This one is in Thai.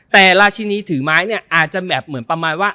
แต่ราชินีถือไม้เนี่ยอาจจะแบบเหมือนประมาณว่า